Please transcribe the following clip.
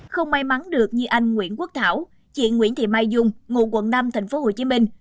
không may mắn được như anh nguyễn quốc thảo chị nguyễn thị mai dung ngụ quận năm thành phố hồ chí minh